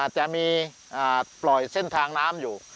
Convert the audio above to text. จะมีปล่อยเส้นทางน้ำอยู่